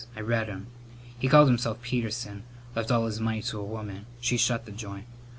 I read 'em. He called himself Peterson. Left all his money to a woman. She shut the joint.